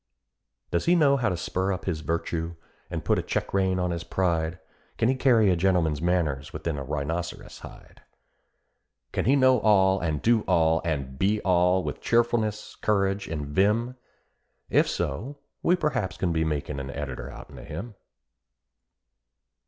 Does he know how to spur up his virtue, and put a check rein on his pride? Can he carry a gentleman's manners within a rhinoceros' hide? Can he know all, and do all, and be all, with cheerfulness, courage, and vim? If so, we perhaps can be makin an editor 'outen of him.'"